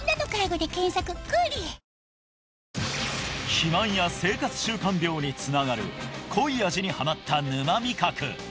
肥満や生活習慣病につながる濃い味にハマった沼味覚